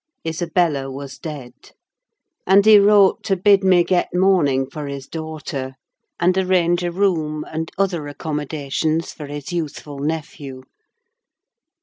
Isabella was dead; and he wrote to bid me get mourning for his daughter, and arrange a room, and other accommodations, for his youthful nephew.